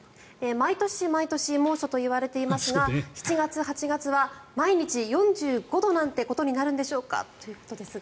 毎年毎年猛暑といわれていますが７月、８月は毎日４５度なんてことになるんでしょうかということですが。